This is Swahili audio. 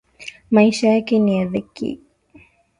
Maisha yake ni ya dhiki.